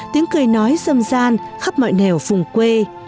tiếng cười nói râm ràn khắp mọi nẻo vùng quê